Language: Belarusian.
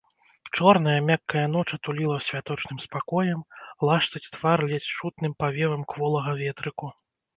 Чорная, мяккая ноч атуліла святочным спакоем, лашчыць твар ледзь чутным павевам кволага ветрыку.